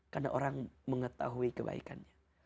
karena orang mengetahui kebaikannya